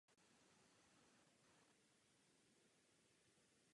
Žádná fáze se neobejde bez určitých nákladů.